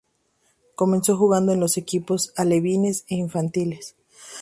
Comenzó jugando en los equipos alevines e infantiles.